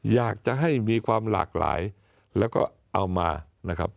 อยากจะให้มีความหลากหลายแล้วก็เอามานะครับ